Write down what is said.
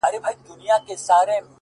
دا راته مه وايه چي تا نه منم دى نه منم!